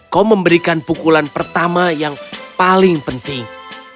kau memberikan pukulan pertama yang paling penting